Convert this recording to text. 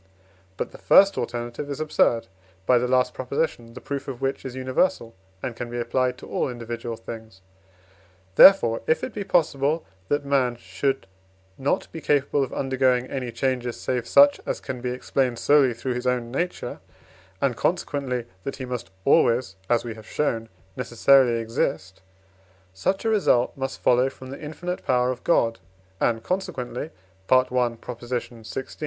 But the first alternative is absurd (by the last Prop., the proof of which is universal, and can be applied to all individual things). Therefore, if it be possible, that man should not be capable of undergoing any changes, save such as can be explained solely through his own nature, and consequently that he must always (as we have shown) necessarily exist; such a result must follow from the infinite power of God, and consequently (I. xvi.)